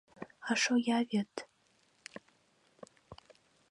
А шоя вет...